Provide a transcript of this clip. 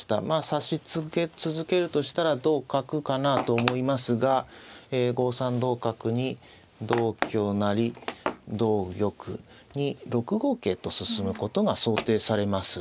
指し続けるとしたら同角かなと思いますが５三同角に同香成同玉に６五桂と進むことが想定されます。